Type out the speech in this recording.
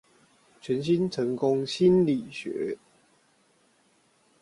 全新成功心理學